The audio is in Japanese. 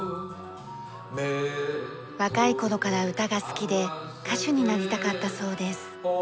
若い頃から歌が好きで歌手になりたかったそうです。